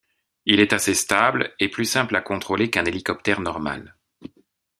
Il est assez stable et plus simple à contrôler qu'un hélicoptère normal.